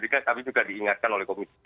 tapi juga diingatkan oleh komisi tiga